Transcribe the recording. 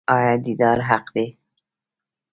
آیا دیدار حق دی؟